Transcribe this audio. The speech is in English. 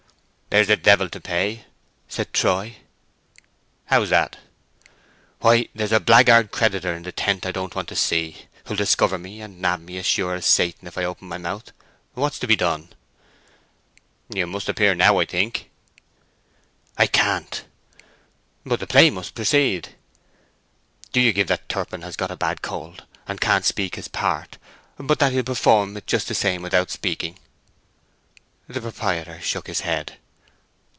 "Here's the devil to pay!" said Troy. "How's that?" "Why, there's a blackguard creditor in the tent I don't want to see, who'll discover me and nab me as sure as Satan if I open my mouth. What's to be done?" "You must appear now, I think." "I can't." "But the play must proceed." "Do you give out that Turpin has got a bad cold, and can't speak his part, but that he'll perform it just the same without speaking." The proprietor shook his head.